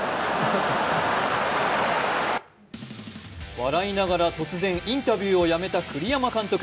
笑いながら突然、インタビューをやめた栗山監督。